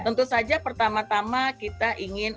tentu saja pertama tama kita ingin